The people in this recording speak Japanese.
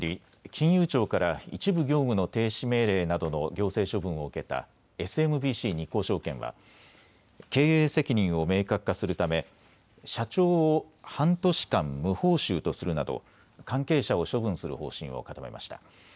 金融庁から一部業務の停止命令などの行政処分を受けたＳＭＢＣ日興証券は経営責任を明確化するため社長を半年間、無報酬とするなど関係者を処分する方針を固めました。